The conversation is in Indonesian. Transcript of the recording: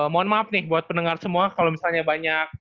mohon maaf nih buat pendengar semua kalau misalnya banyak